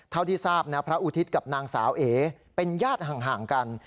เท่าที่ทราบนะพระอุทิศกับนางสาวเอเป็นญาติห่างกัน